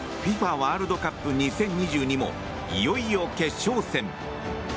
ワールドカップ２０２２もいよいよ決勝戦。